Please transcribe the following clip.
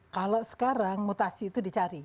kalau sekarang mutasi itu dicari